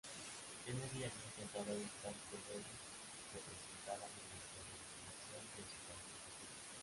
Kennedy había intentado evitar que Lewis se presentara mediante la impugnación de su candidatura.